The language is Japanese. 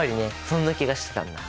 そんな気がしてたんだ！